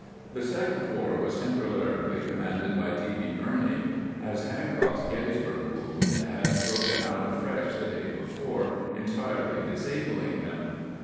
The Second Corps was temporarily commanded by D. B. Birney, as Hancock's Gettysburg wound had broken out afresh the day before, entirely disabling him.